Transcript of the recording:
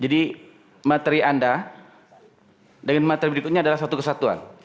jadi materi anda dengan materi berikutnya adalah satu kesatuan